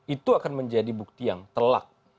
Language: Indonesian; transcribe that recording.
itu akan menjadi bukti yang telak